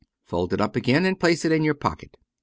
Fold it up again and place it in your pocket."